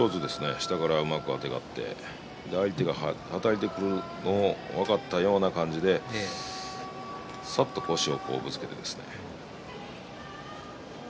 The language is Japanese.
下からうまくあてがって相手が、はたいてくるのを分かったような感じでさっとぶつけて。